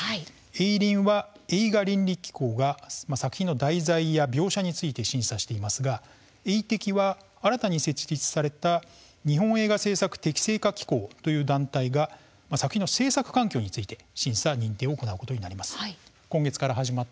映倫は映画倫理機構が作品の題材や描写について審査していますが映適は新たに設立された日本映画制作適正化機構という団体が作品の制作環境について審査、認定を行うことになります。